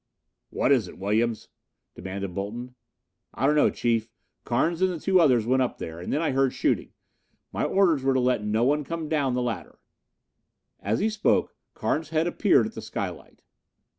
"What is it, Williams?" demanded Bolton. "I don't know, Chief. Carnes and the other two went up there, and then I heard shooting. My orders were to let no one come down the ladder." As he spoke, Carnes' head appeared at the skylight.